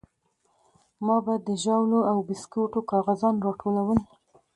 ما به د ژاولو او بيسکوټو کاغذان راټولول.